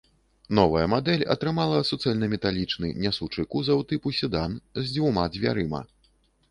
Новая мадэль атрымала суцэльнаметалічны нясучы кузаў тыпу седан з дзвюма дзвярыма.